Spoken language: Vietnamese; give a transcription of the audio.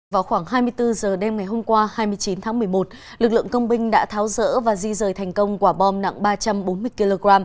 vào khoảng hai mươi bốn h đêm ngày hôm qua hai mươi chín tháng một mươi một lực lượng công binh đã tháo rỡ và di rời thành công quả bom nặng ba trăm bốn mươi kg